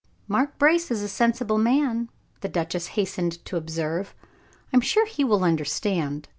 "Mark Brace is a sensible man," the duchess hastened to observe; "I am sure he will understand.